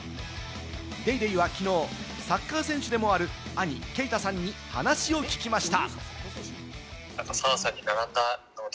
『ＤａｙＤａｙ．』はきのうサッカー選手でもある兄・佳汰さんに話を聞きました。